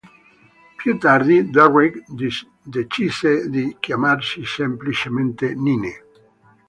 Più tardi Derrick decise di chiamarsi semplicemente Nine.